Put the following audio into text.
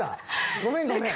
ごめんごめん。